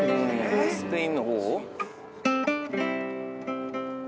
スペインの方？